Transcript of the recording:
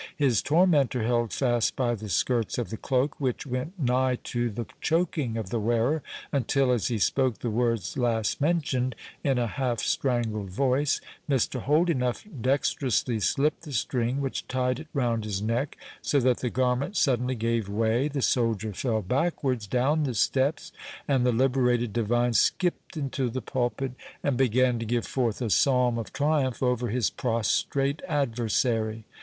His tormentor held fast by the skirts of the cloak, which went nigh to the choking of the wearer, until, as he spoke the words last mentioned, in a half strangled voice, Mr. Holdenough dexterously slipped the string which tied it round his neck, so that the garment suddenly gave way; the soldier fell backwards down the steps, and the liberated divine skipped into the pulpit, and began to give forth a psalm of triumph over his prostrate adversary.